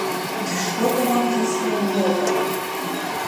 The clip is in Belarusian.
Ды што там англійская мова!